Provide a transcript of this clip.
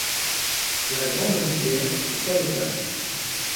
La Grande Rivière est canotable.